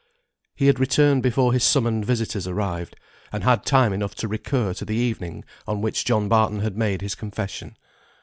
He had returned before his summoned visitors arrived; and had time enough to recur to the evening on which John Barton had made his confession.